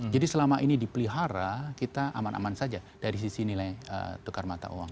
jadi selama ini dipelihara kita aman aman saja dari sisi nilai tukar mata uang